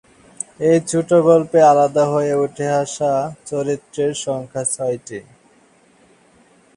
এই ছোট গল্পে আলাদা হয়ে উঠে আসা চরিত্রের সংখ্যা ছয়টি।